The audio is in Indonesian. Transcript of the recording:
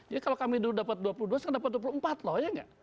jadi kalau kami dulu dapat dua puluh dua sekarang dapat dua puluh empat loh ya nggak